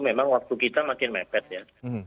memang waktu kita makin mepet ya